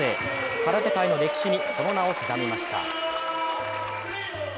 空手界の歴史にその名を刻みました。